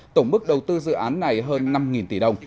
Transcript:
tổng mức đầu tư dự án này hơn năm tỷ đồng